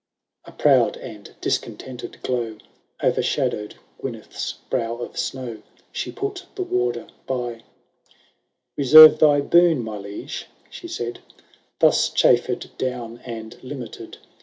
^ XXI. ^^ A proud and discontented glow O'ershadow'd Gyneth 's brow of snow ; She put the warder by :—^ Reserve thy boon, my liege,' she said, ^ Thus chaiFer'd down and limited.